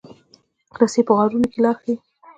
رسۍ په غارونو کې لار ښيي.